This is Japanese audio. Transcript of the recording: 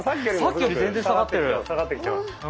さっきより全然下がってる。